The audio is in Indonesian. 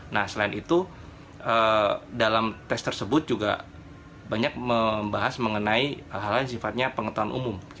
nah selain itu dalam tes tersebut juga banyak membahas mengenai hal hal yang sifatnya pengetahuan umum